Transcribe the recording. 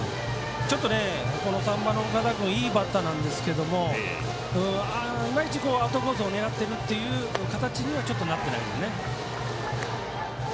ちょっと３番の岡田君いいバッターなんですけどいまいち、アウトコースを狙っていくという形にはなっていないですね。